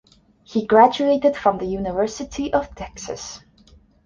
He graduated from The University of Texas.